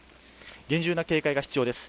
厳重な警戒が必要です